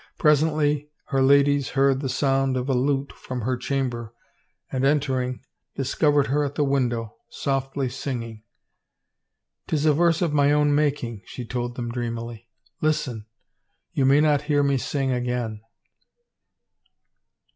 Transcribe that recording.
Presently her ladies heard the sound of a lute from her chamber and entering, discovered her at the window, softly singing. " Tis a verse of my own making," she told them dreamily. " Listen ; you may not hear me sing again.